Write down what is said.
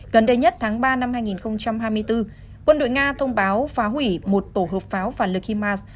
gần đây nhất tháng ba năm hai nghìn hai mươi bốn quân đội nga thông báo phá hủy một tổ hợp pháo phản lực himas